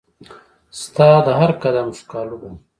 ستا د هرقدم ښکالو به